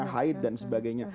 haid dan sebagainya